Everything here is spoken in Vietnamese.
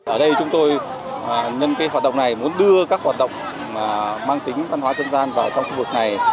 ở đây chúng tôi nhân cái hoạt động này muốn đưa các hoạt động mang tính văn hóa dân gian vào trong khu vực này